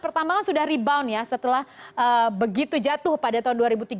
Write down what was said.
pertambangan sudah rebound ya setelah begitu jatuh pada tahun dua ribu tiga belas